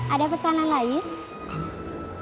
ada pesanan lain